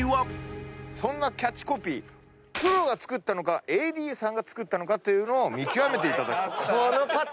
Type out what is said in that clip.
そんなキャッチコピープロが作ったのかＡＤさんが作ったのかを見極めていただくと。